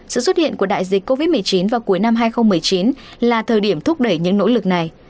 sự xuất hiện của đại dịch covid một mươi chín vào cuối năm hai nghìn một mươi chín là thời điểm thúc đẩy những nỗ lực này